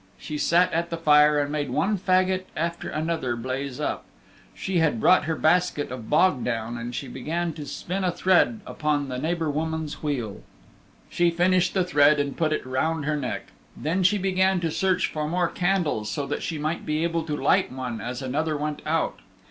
She sat at the fire and made one fagot after another blaze up. She had brought her basket of bog down and she began to spin a thread upon the neighbor woman's wheel. She finished the thread and put it round her neck. Then she began to search for more candles so that she might be able to light one, as another went out.